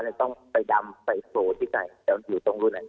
เราต้องไปดำไปโครทที่ไหนอยู่ตรงรุ่น